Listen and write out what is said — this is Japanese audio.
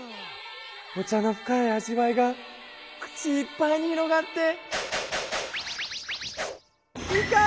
お茶の深い味わいが口いっぱいに広がって。